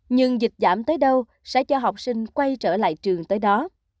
nhưng dịch giảm tới đâu sẽ cho học sinh quay trở lại trường tới đó